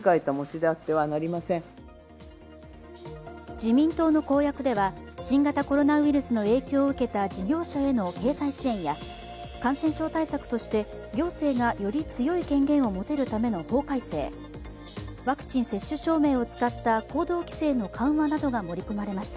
自民党の公約では新型コロナウイルスの影響を受けた事業者への経済支援や感染症対策として行政がより強い権限を持てるための法改正、ワクチン接種証明を使った行動規制の緩和などが盛り込まれました。